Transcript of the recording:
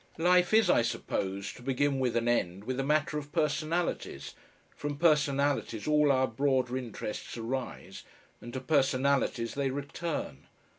Life is, I suppose, to begin with and end with a matter of personalities, from personalities all our broader interests arise and to personalities they return.